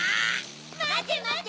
まてまて！